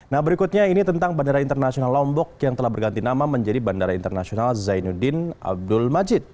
nah berikutnya ini tentang bandara internasional lombok yang telah berganti nama menjadi bandara internasional zainuddin abdul majid